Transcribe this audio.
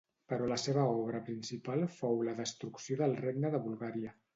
Però la seva obra principal fou la destrucció del regne de Bulgària.